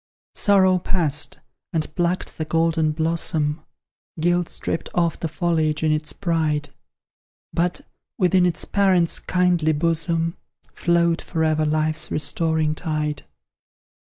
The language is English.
Sorrow passed, and plucked the golden blossom; Guilt stripped off the foliage in its pride But, within its parent's kindly bosom, Flowed for ever Life's restoring tide.